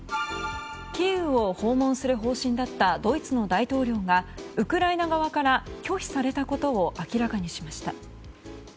キーウを訪問する方針だったドイツの大統領がウクライナ側から拒否されたことを明らかにしました。